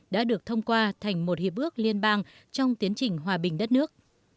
đã được thông qua thành một hiệp ước liên bang trong tiến trình hòa bình đất nước